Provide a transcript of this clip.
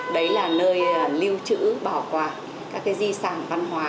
đấy là nơi lưu trữ bảo quản các di sản văn hóa